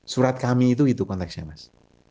surat kami itu konteksnya mas